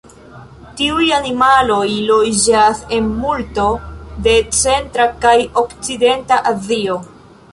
Tiuj animaloj loĝas en multo de centra kaj okcidenta Azio.